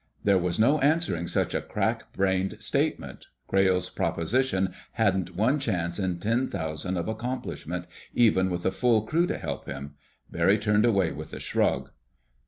There was no answering such a crack brained statement. Crayle's proposition hadn't one chance in ten thousand of accomplishment, even with a full crew to help him. Barry turned away with a shrug.